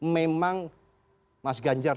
memang mas ganjar